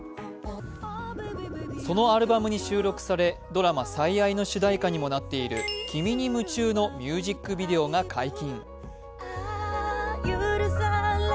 そのアルバムに収録され、ドラマ「最愛」の主題歌にもなっている「君に夢中」のミュージックビデオが解禁。